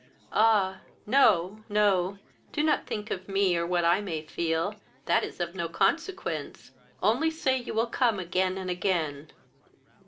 "Ah! no, no; do not think of me, or what I may feel: that is of no consequence, only say you will come again and again."